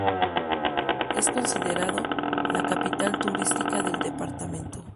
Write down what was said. Es considerado la capital turística del Departamento.